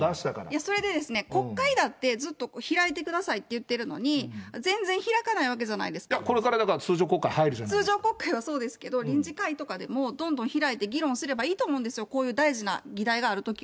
それでですね、国会だって開いてくださいって言ってるのに、これからだから、通常国会入通常国会はそうですけど、臨時会とかでもどんどん開いて、議論すればいいと思うんですよ、こういう大事な議題があるときは。